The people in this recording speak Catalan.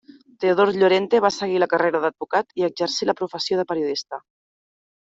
Teodor Llorente va seguir la carrera d'advocat i exercí la professió de periodista.